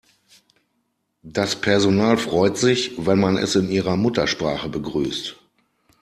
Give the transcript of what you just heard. Das Personal freut sich, wenn man es in ihrer Muttersprache begrüßt.